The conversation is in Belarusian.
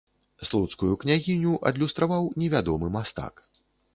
Слуцкую княгіню адлюстраваў невядомы мастак.